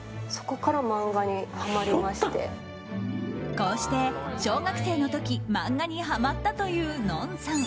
こうして小学生の時漫画にハマったというＮＯＮさん。